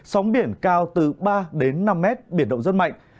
sóng biển cao từ ba đến năm mét biển động rất mạnh